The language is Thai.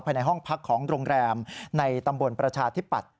ภายในห้องพักของโรงแรมในตำบลประชาธิปัตย